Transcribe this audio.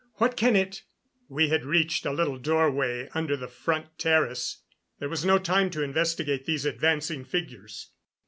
What can it " We had reached a little doorway under the front terrace. There was no time to investigate these advancing figures.